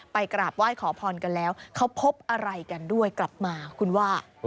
กราบไหว้ขอพรกันแล้วเขาพบอะไรกันด้วยกลับมาคุณว่า